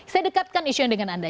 saya dekatkan isu yang dengan anda